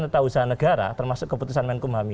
tetahusaha negara termasuk keputusan menkum hami